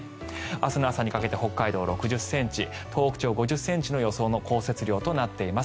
明日の朝にかけて北海道、６０ｃｍ東北地方、５０ｃｍの予想の降雪量となっています。